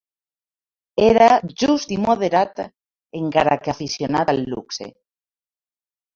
Era just i moderat encara que aficionat al luxe.